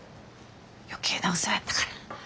余計なお世話やったかな。